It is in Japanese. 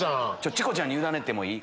チコちゃんに委ねてもいい？